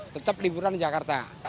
tetap liburan di jakarta